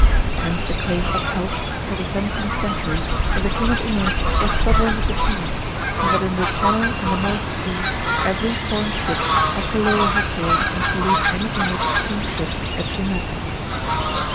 Hence the claim upheld till the seventeenth century that the King of England was "Sovereign of the Seas," and that in the Channel and the North Sea every foreign ship had to lower her sails and salute any English "King's ship" that she met.